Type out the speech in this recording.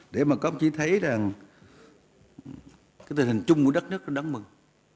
để mà công chí thấy rằng cái tình hình chung của đất nước nó đáng mừng